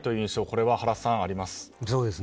これは原さん、あります。